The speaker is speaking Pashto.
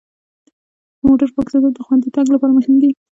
د موټر پاک ساتل د خوندي تګ لپاره مهم دي.